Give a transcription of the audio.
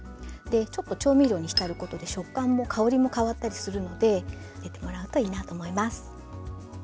ちょっと調味料に浸ることで食感も香りも変わったりするので入れてもらうといいなと思います。